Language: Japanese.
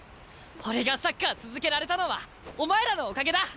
俺がサッカー続けられたのはお前らのおかげだ！